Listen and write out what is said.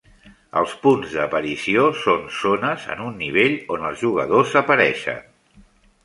"Els punts d'aparició" són zones en un nivell on els jugadors apareixen.